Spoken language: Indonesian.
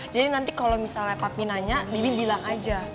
jadi nanti kalau misalnya papi nanya bibi bilang aja